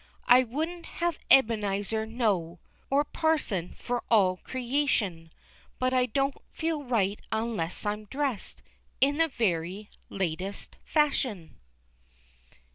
I wouldn't have Ebenezer know, Or parson, for all creation, But I don't feel right unless I'm dressed In the very latest fashion.